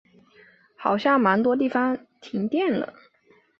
好像蛮多地方停电了